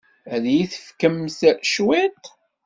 Ad iyi-d-tefkemt cwiṭ?